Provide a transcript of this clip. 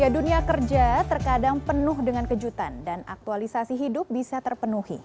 dunia kerja terkadang penuh dengan kejutan dan aktualisasi hidup bisa terpenuhi